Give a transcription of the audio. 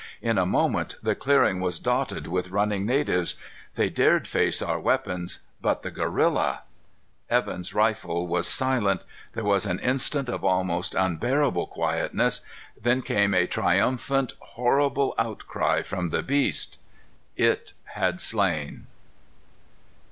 In a moment the clearing was dotted with running natives. They dared face our weapons, but the gorilla Evan's rifle was silent. There was an instant of almost unbearable quietness. Then came a triumphant, horrible outcry from the beast. It had slain.